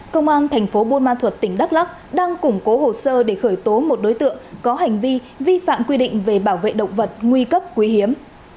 công an thành phố buôn ma thuật tỉnh đắk lắc đang củng cố hồ sơ để khởi tố một đối tượng có hành vi vi phạm quy định về bảo vệ động vật nguy cấp quý hiếm